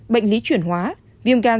bệnh lý chuyển hóa viêm gan